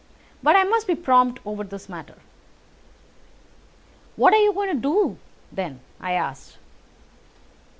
But I must be prompt over this matter." "What are you going to do, then?" I asked.